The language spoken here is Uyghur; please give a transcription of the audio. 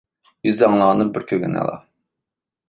يۈز ئاڭلىغاندىن بىر كۆرگەن ئەلا.